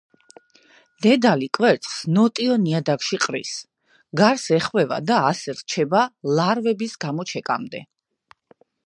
დედალი კვერცხს ნოტიო ნიადაგში ყრის, გარს ეხვევა და ასე რჩება ლარვების გამოჩეკამდე.